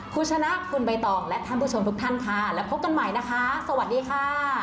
คุณชนะคุณใบตองและท่านผู้ชมทุกท่านค่ะแล้วพบกันใหม่นะคะสวัสดีค่ะ